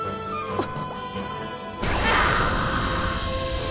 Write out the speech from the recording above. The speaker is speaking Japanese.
あっ！！